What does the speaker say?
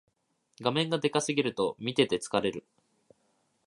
画面がでかすぎると見てて疲れる